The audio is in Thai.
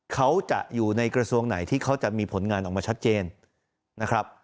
เขาจะอยู่ในกระทรวงไหนที่เขาจะมีผลงานออกมาชัดเจนนะครับ